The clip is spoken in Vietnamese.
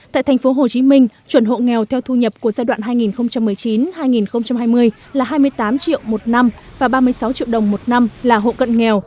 tại tp hcm chuẩn hộ nghèo theo thu nhập của giai đoạn hai nghìn một mươi chín hai nghìn hai mươi là hai mươi tám triệu một năm và ba mươi sáu triệu đồng một năm là hộ cận nghèo